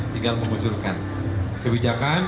tinggal memunculkan kebijakan